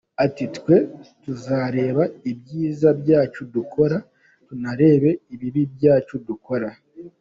Ati: “Twe tuzareba ibyiza byacu dukora, tunarebe ibibi byacu dukora.